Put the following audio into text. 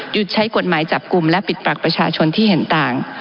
ใช้กฎหมายจับกลุ่มและปิดปากประชาชนที่เห็นต่าง